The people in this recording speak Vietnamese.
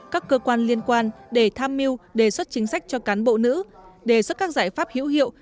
các cơ quan liên quan để tham mưu đề xuất chính sách cho cán bộ nữ đề xuất các giải pháp hữu hiệu